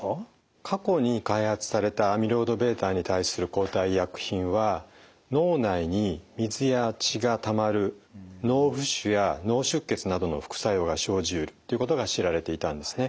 過去に開発されたアミロイドβに対する抗体医薬品は脳内に水や血がたまる脳浮腫や脳出血などの副作用が生じうるということが知られていたんですね。